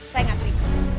saya enggak terima